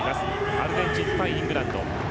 アルゼンチン対イングランド。